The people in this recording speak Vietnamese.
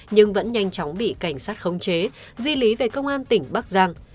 nhưng vẫn nhanh chóng bị cảnh sát khống chế di lý về công an tỉnh bắc giang